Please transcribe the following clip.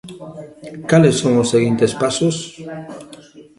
Cales son os seguintes pasos?